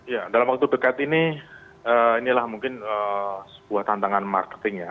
ya dalam waktu dekat ini inilah mungkin sebuah tantangan marketing ya